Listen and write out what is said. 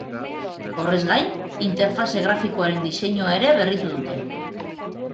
Horrez gain, interfaze grafikoaren diseinua ere berritu dute.